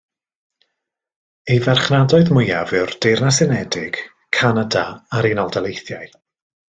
Ei farchnadoedd mwyaf yw'r Deyrnas Unedig, Canada a'r Unol Daleithiau.